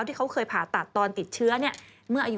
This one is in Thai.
ที่เขาเคยผ่าตัดตอนติดเชื้อเนี่ยเมื่ออายุ